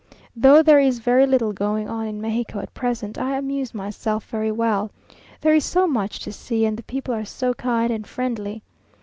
Though there is very little going on in Mexico at present, I amuse myself very well; there is so much to see, and the people are so kind and friendly.